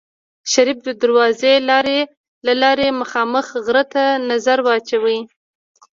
شريف د دروازې له لارې مخامخ غره ته نظر واچوه.